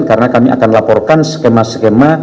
karena kami akan laporkan skema skema